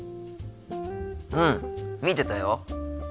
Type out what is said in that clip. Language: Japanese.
うん見てたよ。